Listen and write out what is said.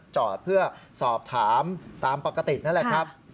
จอดเพื่อสอบถามตามปกตินั่นแหละครับ